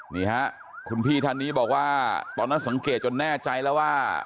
นี่ฮะคุณพี่ท่านนี้บอกว่าตอนนั้นสังเกตจนแน่ใจแล้วว่า